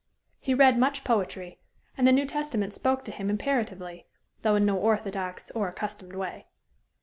He read much poetry, and the New Testament spoke to him imperatively, though in no orthodox or accustomed way.